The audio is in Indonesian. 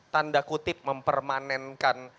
tanda kutip mempermanenkan